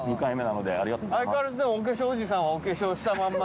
相変わらずお化粧おじさんはお化粧したまんま。